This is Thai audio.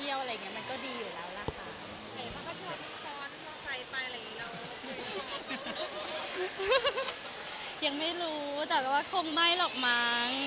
ยังไม่รู้แต่ว่าคงไม่หรอกมั้ง